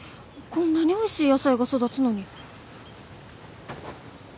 こんなにおいしい野菜が育つのに。